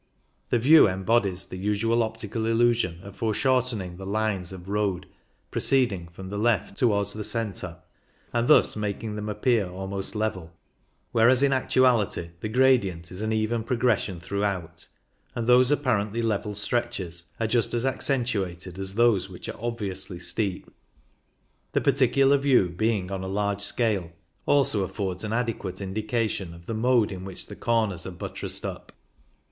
The view embodies the usual optical illusion of foreshortening ^he lines of road pro I30 CYCLING IN THE ALPS ceeding from the left towards the centre, and thus making them appear almost level, whereas in actuality the gradient is an even progression throughout, and those apparently level stretches are just as accentuated as those which are obviously steep. This particular view, being on a large scale, also affords an adequate indi* cation of the mode in which the corners are buttressed up.